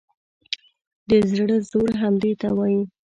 د زړه زور همدې ته وایي.